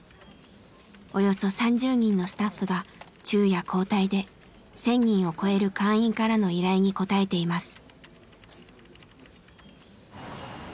およそ３０人のスタッフが昼夜交代で１，０００人を超える会員からの依頼に応えています。